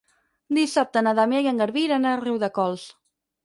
Dissabte na Damià i en Garbí iran a Riudecols.